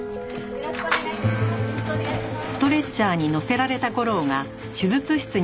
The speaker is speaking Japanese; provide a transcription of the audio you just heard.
よろしくお願いします。